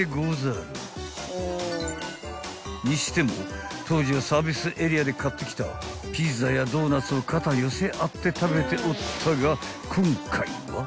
［にしても当時はサービスエリアで買ってきたピザやドーナツを肩寄せ合って食べておったが］